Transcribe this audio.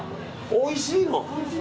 おいしいの。